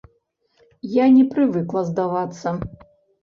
Я не прывыкла здавацца.